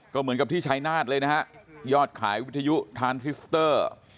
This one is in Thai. ก็เหมือนกับที่ชายนาฏเลยนะฮะยอดขายวิทยุทานคิสเตอร์